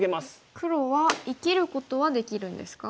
黒は生きることはできるんですか？